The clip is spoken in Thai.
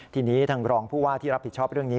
ทีนี้ทางรองผู้ว่าที่รับผิดชอบเรื่องนี้